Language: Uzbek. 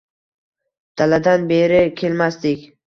Daladan beri kelmasdik